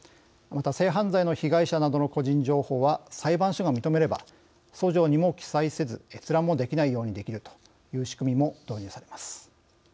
また、性犯罪の被害者などの個人情報は裁判所が認めれば訴状にも記載せず閲覧もできないようにできるという仕組みも導入されます。